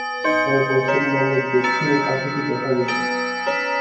তবে পশ্চিমবঙ্গের দক্ষিণে পাখিটি দেখা গেছে।